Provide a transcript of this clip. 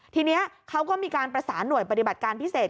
ทีนี้เขาก็มีการประสานหน่วยปฏิบัติการพิเศษ